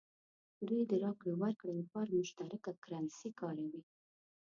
دوی د راکړې ورکړې لپاره مشترکه کرنسي کاروي.